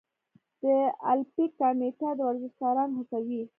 د المپیک کمیټه ورزشکاران هڅوي؟